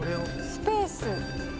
スペース。